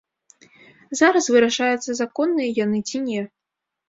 Зараз вырашаецца законныя яны, ці не.